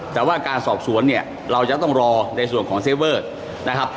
แต่ว่าการสอบสวนเนี่ยเราจะต้องรอในส่วนของเซเวอร์นะครับ